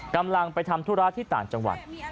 กำลังไปทำธุระที่ต่างจังหวัด